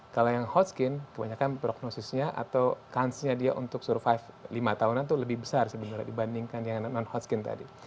kalau yang hotskin kebanyakan prognosisnya atau kansnya dia untuk survive lima tahunan itu lebih besar sebenarnya dibandingkan yang non hod skin tadi